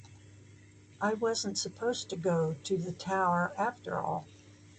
I wasn't supposed to go to the tower after all.